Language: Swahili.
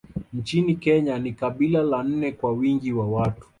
Nchini Kenya ni kabila la nne kwa wingi wa watu